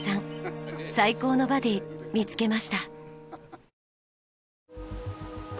最高のバディ見つけました。